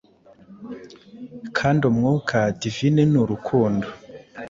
Kandi umwuka Divine ni Urukundo.